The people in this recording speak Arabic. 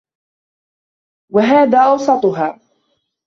وَهَذَا أَوْسَطُهَا